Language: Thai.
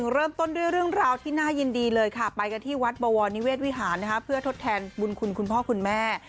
เริ่มต้นด้วยเรื่องราวที่น่ายินดีเลยค่ะไปกันที่วัดบวรนิเวศวิหารเพื่อทดแทนบุญคุณคุณพ่อคุณแม่